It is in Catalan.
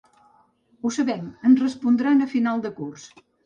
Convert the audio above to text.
Ho sabem, ens respondran a final de curs.